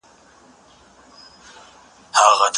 ښځه په خپله عاطفه سره کولی سي د کرکي او نفرت دیوالونه ونړوي